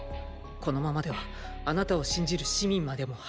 このままではあなたを信じる市民までも迫害の対象に。